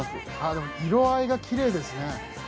でも色合いがきれいですね。